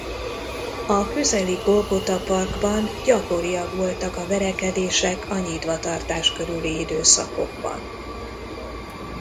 A közeli Golgota parkban gyakoriak voltak a verekedések a nyitvatartás körüli időszakokban.